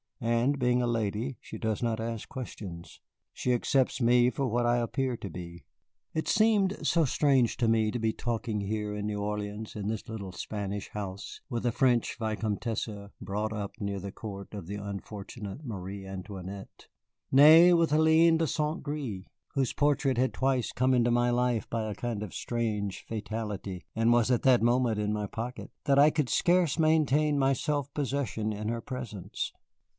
And being a lady, she does not ask questions. She accepts me for what I appear to be." It seemed so strange to me to be talking here in New Orleans, in this little Spanish house, with a French vicomtesse brought up near the court of the unfortunate Marie Antoinette; nay, with Hélène de St. Gré, whose portrait had twice come into my life by a kind of strange fatality (and was at that moment in my pocket), that I could scarce maintain my self possession in her presence.